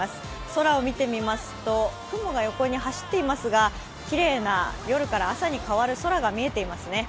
空を見てみますと、雲が横に走っていますが、きれいな、夜から朝に変わる空が見えていますね。